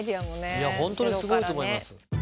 いや本当にすごいと思います。